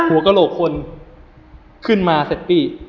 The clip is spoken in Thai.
หัวกะโหลกคนขึ้นมาเสร็จพี่